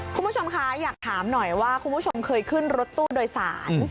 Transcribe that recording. คุณผู้ชมคะอยากถามหน่อยว่าคุณผู้ชมเคยขึ้นรถตู้โดยสาร